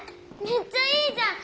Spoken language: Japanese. めっちゃいいじゃん！